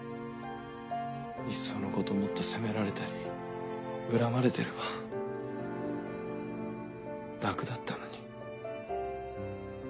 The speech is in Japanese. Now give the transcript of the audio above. いっそのこともっと責められたり恨まれてれば楽だったのに。